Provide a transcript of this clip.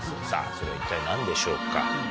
さぁそれは一体何でしょうか？